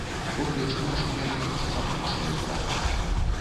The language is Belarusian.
Поплеч выйшлі яны за фабрычную браму.